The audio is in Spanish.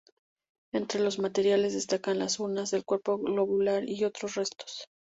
Entre los materiales destacan las urnas de cuerpo globular y otros restos.